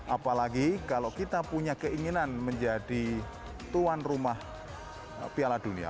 apalagi kalau kita punya keinginan menjadi tuan rumah piala dunia